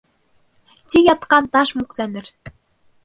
Тик ятҡан таш мүкләнер.